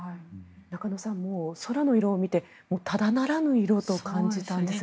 中野さん、空の色を見てただならぬ色と感じたんですが。